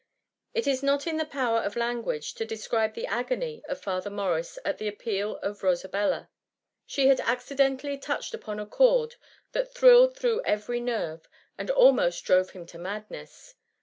It is not in the power of language to describe the agony of Father Mor ris at the appeal of Rosabella. She had acci dentally touched upon a chord that thrilled through every nerve, and almost drove him to madness.